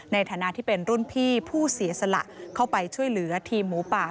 ในฐานะที่เป็นรุ่นพี่ผู้เสียสละเข้าไปช่วยเหลือทีมหมูป่า